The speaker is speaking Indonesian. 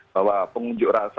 bahwa pengunjuk rasa